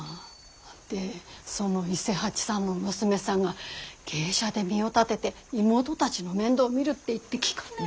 でその伊勢八さんの娘さんが芸者で身を立てて妹たちの面倒を見るって言って聞かねぇのさ。